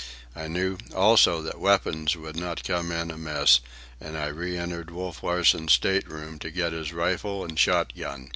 I knew, also, that weapons would not come in amiss, and I re entered Wolf Larsen's state room to get his rifle and shot gun.